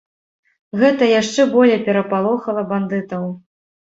Гэта яшчэ болей перапалохала бандытаў.